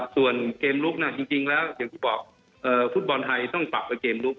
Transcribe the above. ส่วนเกมลุกจริงแล้วอย่างที่บอกฟุตบอลไทยต้องปรับไปเกมลุก